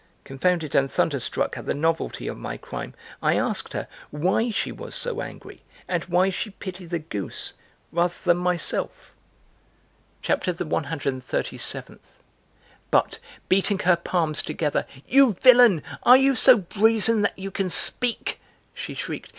Confounded and thunderstruck at the novelty of my crime, I asked her why she was so angry and why she pitied the goose rather than myself. CHAPTER THE ONE HUNDRED AND THIRTY SEVENTH. But, beating her palms together, "You villain, are you so brazen that you can speak?" she shrieked.